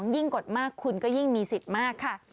ยิ่งกดมากคุณก็ยิ่งมีสิทธิ์มากค่ะ